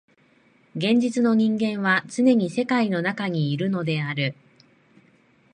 現実の人間はつねに世界の中にいるのである。